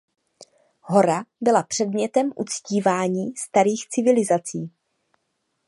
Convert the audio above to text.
Hora byla předmětem uctívání starých civilizací.